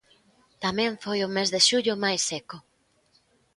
Tamén foi o mes de xullo máis seco.